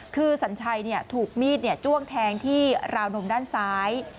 คือสัญชัยถูกมีดจ้วงแทงที่ราวนมด้านซ้าย